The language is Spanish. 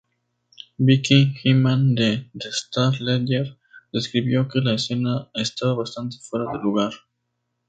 Vicki Hyman de "The Star-Ledger" describió que la escena estaba "bastante fuera de lugar".